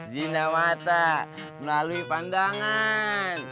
zina mata melalui pandangan